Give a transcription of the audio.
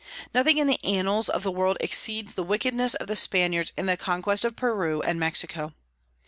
Nothing in the annals of the world exceeds the wickedness of the Spaniards in the conquest of Peru and Mexico.